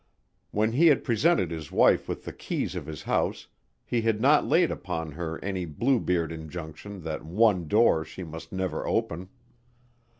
When he had presented his wife with the keys of his house he had not laid upon her any Bluebeard injunction that one door she must never open.